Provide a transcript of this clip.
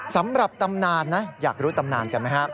สำหรับตำนานนะอยากรู้ตำนานกันไหมฮะ